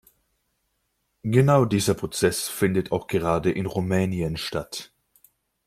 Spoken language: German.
Genau dieser Prozess findet auch gerade in Rumänien statt.